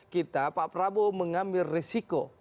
kita pak prabowo mengambil resiko